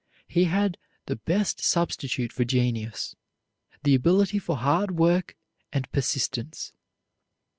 He had the best substitute for genius the ability for hard work and persistence.